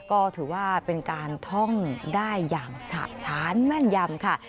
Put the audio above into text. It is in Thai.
ก็ถือว่าเป็นการท่องได้อย่างฉะฉานแม่นยำค่ะ